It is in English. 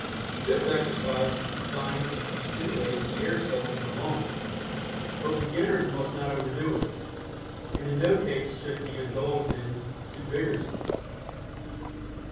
This exercise is designed to stimulate the air cells in the lungs, but beginners must not overdo it, and in no case should it be indulged in too vigorously.